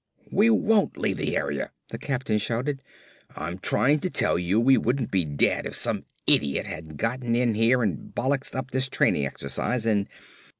"We WON'T leave the area!" the captain shouted. "I'm trying to tell you we wouldn't be dead if some idiot hadn't gotten in here and bollixed up this training exercise and